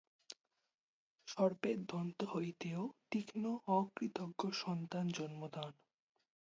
সর্পের দন্ত হইতেও তীক্ষ্ন, অকৃতজ্ঞ সন্তান জন্মদান